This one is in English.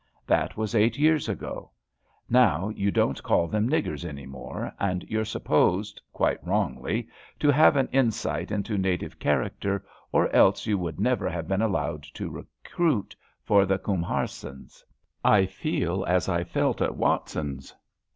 That was eight years ago. Now you don't call them niggers any more, and you're supposed — quite wrongly — to have an insight into native character, or else you would never have been allowed to recruit for the Kumharsens. I feel as I felt at Watson's.